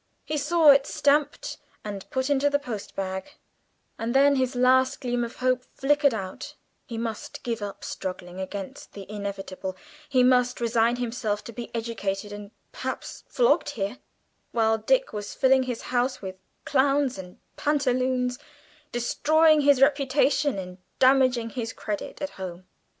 He saw it stamped, and put into the postbag, and then his last gleam of hope flickered out; he must give up struggling against the Inevitable; he must resign himself to be educated, and perhaps flogged here, while Dick was filling his house with clowns and pantaloons, destroying his reputation and damaging his credit at home.